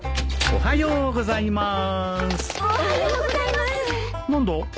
おはようございます。